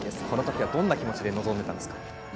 このときは、どんな気持ちで臨んでいたんですか。